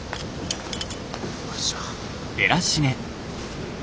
よいしょ。